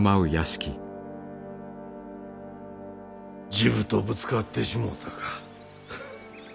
治部とぶつかってしもうたか。